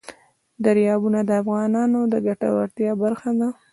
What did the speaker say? دریابونه د افغانانو د ګټورتیا برخه ده.